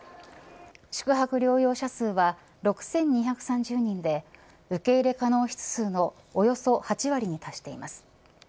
宿泊療養者数は６２３０人で受け入れ可能室数のおよそ８割に達しています。